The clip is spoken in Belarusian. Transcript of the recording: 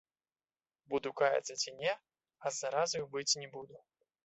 Буду каяцца ці не, а з заразаю быць не буду.